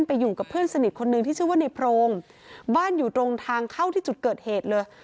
ไปอยู่กับเพื่อนสนิทคนนึงที่ชื่อว่าในโพรงบ้านอยู่ตรงทางเข้าที่จุดเกิดเหตุเลย